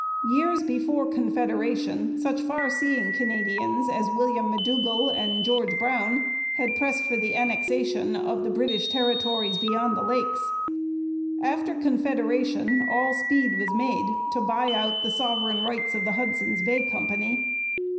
Years before Confederation, such far seeing Canadians as William M'Dougall and George Brown had pressed for the annexation of the British territories beyond the Lakes. After Confederation, all speed was made to buy out the sovereign rights of the Hudson's Bay Company.